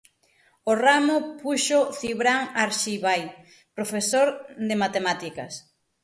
O ramo púxoo Cibrán Arxibai, profesor de matemáticas.